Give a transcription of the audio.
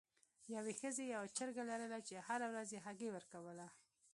یوې ښځې یوه چرګه لرله چې هره ورځ یې هګۍ ورکوله.